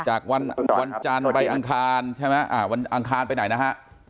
จากวันจันทร์ไปอังคารอังคารไปไหนนะฮะ